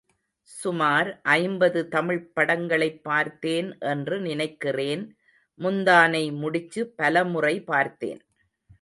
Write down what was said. சுமார் ஐம்பது தமிழ்ப் படங்களைப் பார்த்தேன் என்று நினைக்கிறேன், முந்தானை முடிச்சு பலமுறை பார்த்தேன்.